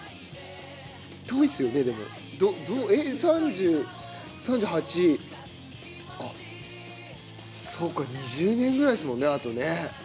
遠いですよね、でも、え、３８、あっ、そうか、２０年ぐらいですもんね、あとね。